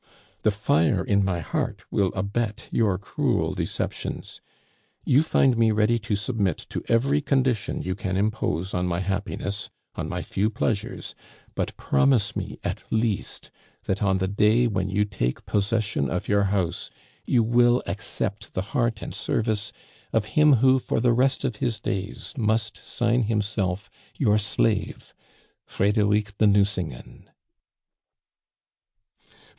The fire in my heart will abet your cruel deceptions. You find me ready to submit to every condition you can impose on my happiness, on my few pleasures; but promise me at least that on the day when you take possession of your house you will accept the heart and service of him who, for the rest of his days, must sign himself your slave, "FREDERIC DE NUCINGEN."